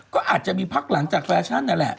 ก็อาจจะมีพักหลังจากแฟชั่นนั่นแหละ